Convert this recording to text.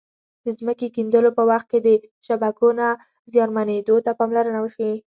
د ځمکې کیندلو په وخت کې د شبکو نه زیانمنېدو ته پاملرنه وشي.